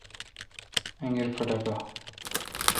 انگیر پھٹھکہ